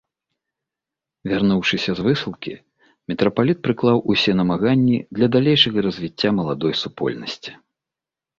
Вярнуўшыся з высылкі, мітрапаліт прыклаў усе намаганні для далейшага развіцця маладой супольнасці.